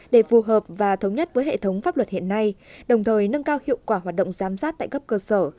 để phù hợp và thống nhất với hệ thống pháp luật hiện nay đồng thời nâng cao hiệu quả hoạt động giám sát tại cấp cơ sở